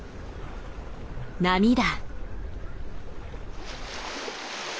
波だ。